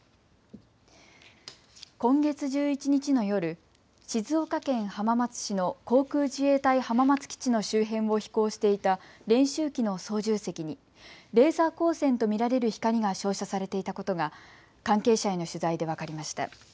今月１１日の夜、静岡県浜松市の航空自衛隊浜松基地の周辺を飛行していた練習機の操縦席にレーザー光線と見られる光が照射されていたことが関係者への取材で分かりました。